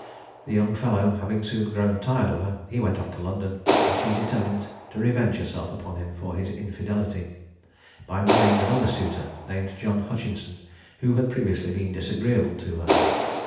The young fellow having soon grown tired of her, went off to London, and she determined to revenge herself upon him for his infidelity, by marrying another suitor, named John Hutchinson, who had previously been disagreeable to her.